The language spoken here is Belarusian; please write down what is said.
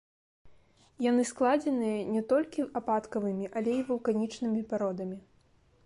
Яны складзеныя не толькі ападкавымі, але і вулканічнымі пародамі.